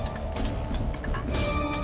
nih ini udah gampang